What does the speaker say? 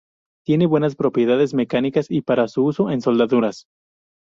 Tiene buenas propiedades mecánicas y para su uso en soldaduras.